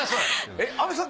えっ阿部さん